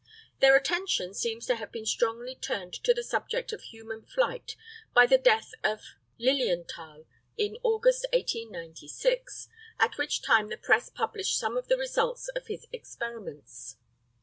Their attention seems to have been strongly turned to the subject of human flight by the death of Lilienthal in August, 1896, at which time the press published some of the results of his experiments.